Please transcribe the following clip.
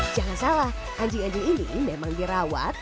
jangan salah anjing anjing ini memang dirawat